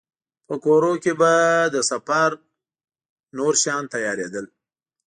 په کورونو کې به د سفر نور شیان تيارېدل.